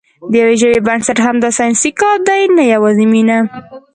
د یوې ژبې بنسټ همدا ساینسي کار دی، نه یوازې مینه.